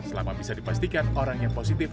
selama bisa dipastikan orang yang positif